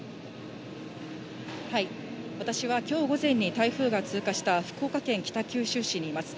私はきょう午前に台風が通過した、福岡県北九州市にいます。